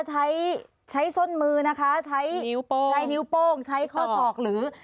ใช้ส้นมือนะคะใช้นิ้วโป้งใช้ข้อศอกหรือ